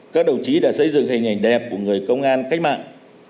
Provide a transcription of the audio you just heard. các đồng chí đã xây dựng hình ảnh đẹp của người công an cách mạng